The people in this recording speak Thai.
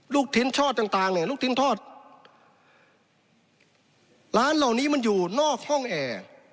ลูกชิ้นทอดต่างต่างเนี่ยลูกชิ้นทอดร้านเหล่านี้มันอยู่นอกห้องแอร์